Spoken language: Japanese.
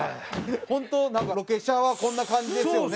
本当なんかロケ車はこんな感じですよね。